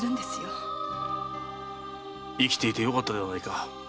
生きていてよかったではないか。